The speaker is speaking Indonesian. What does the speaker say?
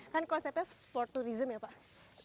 kan konsepnya sport tourism ya pak